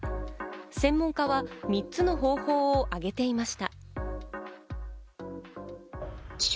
専門家は３つの方法を挙げていました。